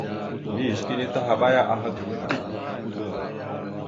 Mbiyez kini tahaɓaya aha gaŋa dik.